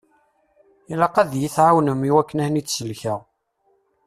Ilaq ad yi-tɛawnem i wakken ad ten-id-sellkeɣ.